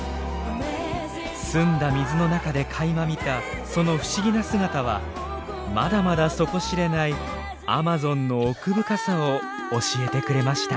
澄んだ水の中でかいま見たその不思議な姿はまだまだ底知れないアマゾンの奥深さを教えてくれました。